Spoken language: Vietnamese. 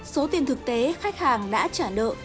số tiền thực tế khách hàng đã trả lời